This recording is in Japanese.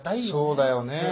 そうだよね。